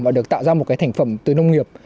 và được tạo ra một thành phẩm từ nông nghiệp